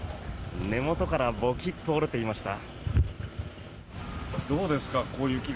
根元からボキッと折れていました。